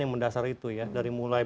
yang mendasar itu ya dari mulai